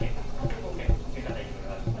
これも受け方いろいろあるんです。